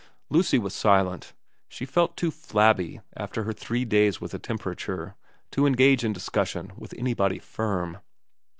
Lucy was silent. She felt too flabby, after her three days with a temperature, to engage in discussion with anybody firm.